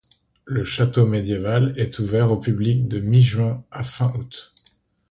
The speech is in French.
Le château médiéval est ouvert au public de mi-juin à fin août.